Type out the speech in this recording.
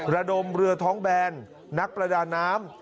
ระดมเรือท้องแบนนักประดาน้ำ